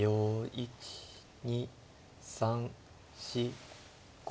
１２３４５。